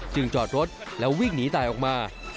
จอดรถแล้ววิ่งหนีตายออกมา